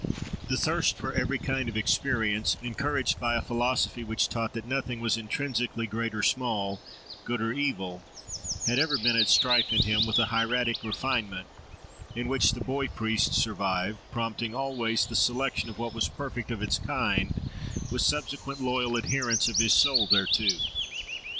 The thirst for every kind of experience, encouraged by a philosophy which taught that nothing was intrinsically great or small, good or evil, had ever been at strife in him with a hieratic refinement, in which the boy priest survived, prompting always the selection of what was perfect of its kind, with subsequent loyal adherence of his soul thereto.